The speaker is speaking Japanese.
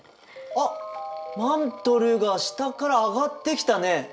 あっマントルが下から上がってきたね。